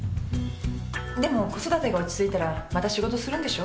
でも子育てが落ち着いたらまた仕事するんでしょ？